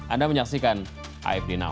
anda menyaksikan afd now